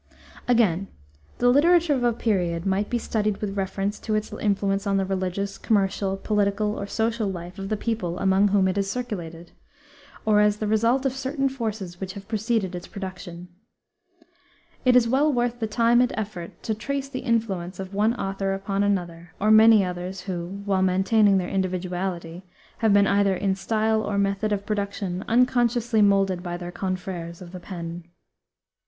Again, the literature of a period might be studied with reference to its influence on the religious, commercial, political, or social life of the people among whom it has circulated; or as the result of certain forces which have preceded its production. It is well worth the time and effort to trace the influence of one author upon another or many others, who, while maintaining their individuality, have been either in style or method of production unconsciously molded by their confréres of the pen.